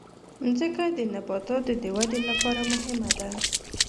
مځکه د نباتاتو د ودې لپاره مهمه ده.